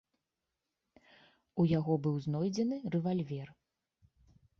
У яго быў знойдзены рэвальвер.